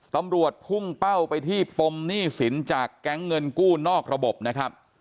ตำรวจพุ่งเป้าไปที่ปมหนี้สินจากแก๊งเงินกู้นอกระบบนะครับ